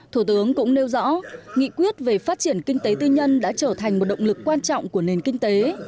thủ tướng cũng nêu rõ nghị quyết về phát triển kinh tế tư nhân đã trở thành một động lực quan trọng của nền kinh tế